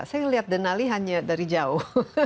saya lihat denali hanya dari jauh